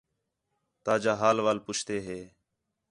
تاجا حال وال پُچھتے ہے